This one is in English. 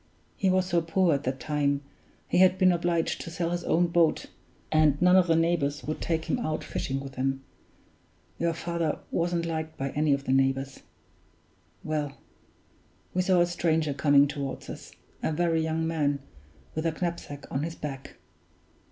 He was so poor at that time, he had been obliged to sell his own boat, and none of the neighbors would take him out fishing with them your father wasn't liked by any of the neighbors. Well; we saw a stranger coming toward us; a very young man, with a knapsack on his back.